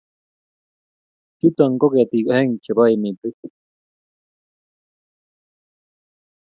Chuto ko ketik aeng' che bo emitik.